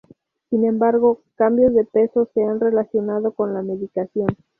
Sin embargo, cambios de peso se han relacionado con la medicación.